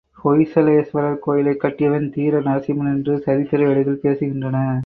ஹொய்சலேஸ்வரர் கோயிலைக் கட்டியவன் வீர நரசிம்மன் என்று சரித்திர ஏடுகள் பேசுகின்றன.